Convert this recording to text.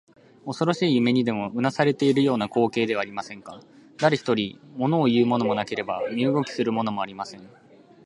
おそろしい夢にでもうなされているような光景ではありませんか。だれひとり、ものをいうものもなければ身動きするものもありません。